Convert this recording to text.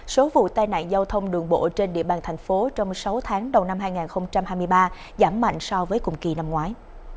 số vụ tai nạn giao thông đường bộ trên địa bàn thành phố trong sáu tháng đầu năm hai nghìn hai mươi ba giảm mạnh so với cùng kỳ năm ngoái